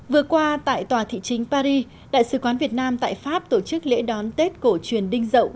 vừa qua tại tòa thị chính paris đại sứ quán việt nam tại pháp tổ chức lễ đón tết cổ truyền đinh rậu